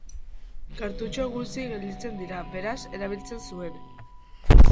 Kartutxo gutxi gelditzen dira, beraz erabiltzen zuen.